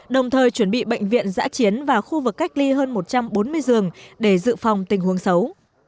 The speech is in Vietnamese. đồng thời chuẩn bị bệnh viện giã chiến và khu vực cách ly hơn một trăm bốn mươi giường để dự phòng tình huống xấu